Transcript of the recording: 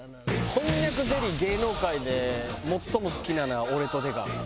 こんにゃくゼリー芸能界で最も好きなのは俺と出川さん。